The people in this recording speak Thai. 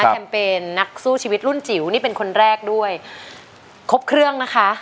แคมเปญนักสู้ชีวิตรุ่นจิ๋วนี่เป็นคนแรกด้วยครบเครื่องนะคะ